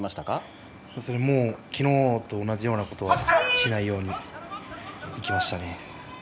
昨日と同じようなことはしないようにいきましたね。